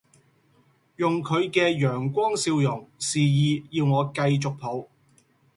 用佢嘅陽光笑容示意要我繼續抱